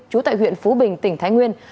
chú tại huyện phú bình tỉnh thái nguyên